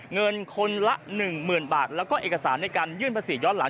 เงินคนละหนึ่งหมื่นบาทแล้วก็เอกสารในการยื่นประสิทธิ์ยอดหลาน